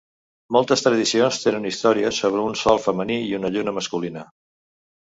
Moltes tradicions tenen històries sobre un Sol femení i una Lluna masculina.